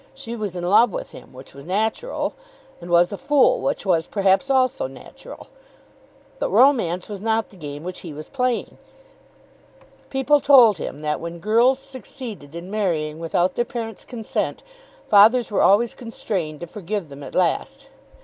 She was in love with him, which was natural; and was a fool, which was perhaps also natural. But romance was not the game which he was playing. People told him that when girls succeeded in marrying without their parents' consent, fathers were always constrained to forgive them at last.